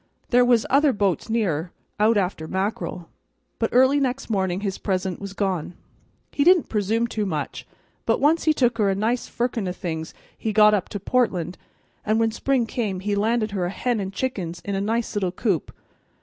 There was other bo'ts near, out after mackerel. But early next morning his present was gone. He didn't presume too much, but once he took her a nice firkin o' things he got up to Portland, and when spring come he landed her a hen and chickens in a nice little coop.